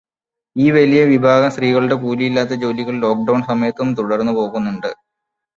ഈ വലിയ വിഭാഗം സ്ത്രീകളുടെ കൂലിയില്ലാത്ത ജോലികൾ ലോക്ക്ഡൗൺ സമയത്തും തുടർന്ന് പോകുന്നുണ്ട്.